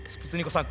さん